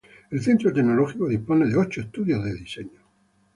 El centro tecnológico dispone de ocho estudios de diseño.